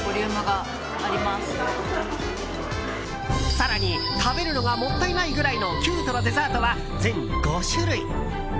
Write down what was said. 更に、食べるのがもったいないぐらいのキュートなデザートは全５種類。